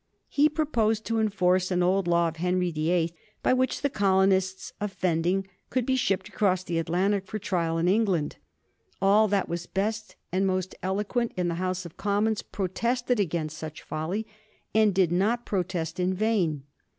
He proposed to enforce an old law of Henry the Eighth by which the colonists offending could be shipped across the Atlantic for trial in England. All that was best and most eloquent in the House of Commons protested against such folly, and did not protest in vain.